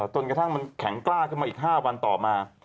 จนกระทั่งมันแข็งกล้าขึ้นมาอีก๕วันต่อมา